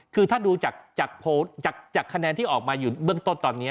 คือถ้าดูจากคะแนนที่ออกมาอยู่เบื้องต้นตอนนี้